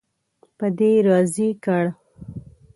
په دې راضي کړ.